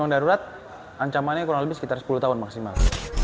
darurat ancamannya kurang lebih sekitar sepuluh tahun maksimal